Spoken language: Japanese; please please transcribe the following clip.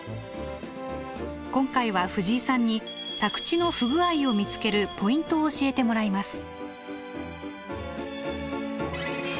今回は藤井さんに宅地の不具合を見つけるポイントを教えてもらいます。